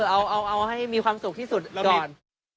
เอาให้มีความสุขที่สุดก่อน